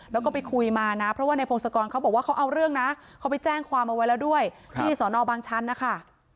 แล้วก็ไปคุยมานะเพราะว่าในพงศกรเขาบอกว่าเขาเอาเรื่องนะเขาไปแจ้งความเอาไว้แล้วด้วยที่สอนอบางชั้นนะคะ